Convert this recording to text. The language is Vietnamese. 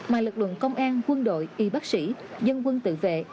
mà lực lượng công an quân đội y bác sĩ dân quân tự vệ